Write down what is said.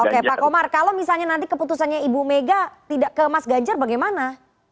oke pak komar kalau misalnya nanti keputusannya ibu mega tidak ke mas ganjar bagaimana